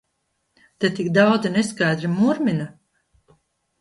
Te tik daudzi neskaidri murmina!